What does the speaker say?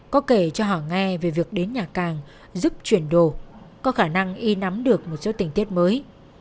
có kể cho họ nghe về việc đến nhà càng giúp chuyển đồ có khả năng y nắm được một số tình tiết mới